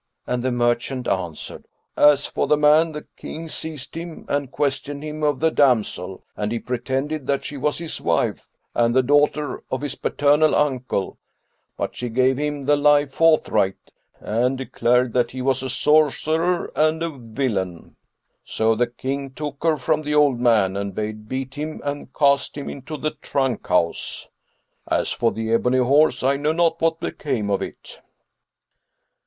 and the merchant answered, "As for the man the King seized him and questioned him of the damsel and he pretended that she was his wife and the daughter of his paternal uncle; but she gave him the lie forthright and declared that he was a sorcerer and a villain. So the King took her from the old man and bade beat him and cast him into the trunk house. As for the ebony horse, I know not what became of it."